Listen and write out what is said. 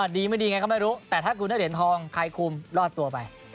ดีไม่ดีไงก็ไม่รู้แต่ถ้าคุณได้เหรียญทองใครคุมรอดตัวไป